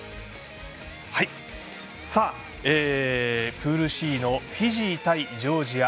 プールＣのフィジー対ジョージア。